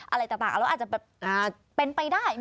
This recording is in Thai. อะไรต่างแล้วอาจจะแบบเป็นไปได้